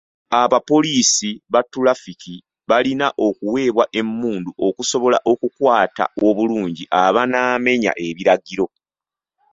Abapoliisi ba tulafiki balina okuweebwa emmundu okusobola okukwata obulungi abanaamenya ebiragiro.